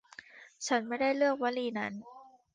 ฉันไม่ได้เลือกวลีนั้น